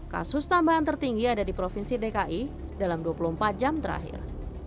kasus tambahan tertinggi ada di provinsi dki dalam dua puluh empat jam terakhir